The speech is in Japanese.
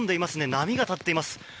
波が立っています。